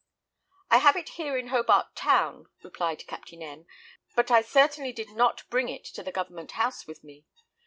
"I have it here in Hobart Town," replied Captain M ; "but I certainly did not bring it to the Government House with me.